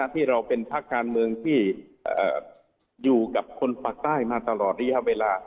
ที่อยู่กับคนภาคใต้มาตลอดระยะเวลา